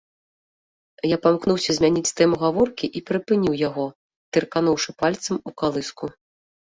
Я памкнуўся змяніць тэму гаворкі і перапыніў яго, тыркануўшы пальцам у калыску.